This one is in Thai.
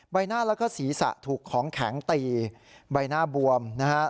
ใบหน้าแล้วก็ศีรษะถูกของแข็งตีใบหน้าบวมนะฮะ